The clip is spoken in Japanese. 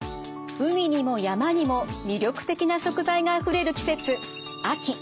海にも山にも魅力的な食材があふれる季節秋。